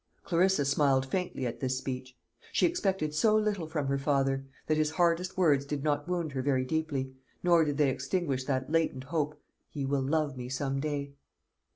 Clarissa smiled faintly at this speech. She expected so little from her father, that his hardest words did not wound her very deeply, nor did they extinguish that latent hope, "He will love me some day."